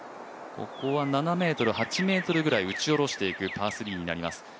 ここは７ｍ、８ｍくらい打ち下ろしていくパー３になります